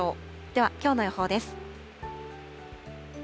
ではきょうの予報です。